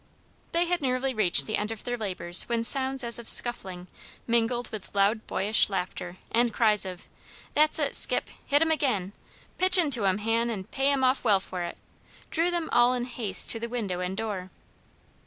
They had nearly reached the end of their labors when sounds as of scuffling, mingled with loud boyish laughter, and cries of "That's it, Scip, hit him again! Pitch into him, Han, and pay him off well for it!" drew them all in haste to the window and door.